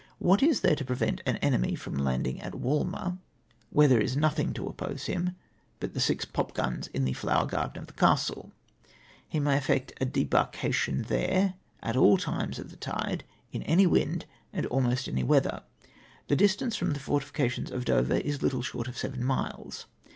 Wliat is there to prevent an enemy from landing at Walmer, wliere there is nothing to oppose him but the six popgims in the fiowTr garden of the Castle ? He may effect a debark ation there at all times of the tide, in any wind and almost in any weather. The distance from the forti fications of Dover is little short of seven miles.